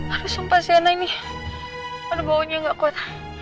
aduh sumpah sianang ini aduh baunya gak kuat